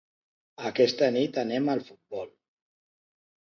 Aquesta nit anem al futbol.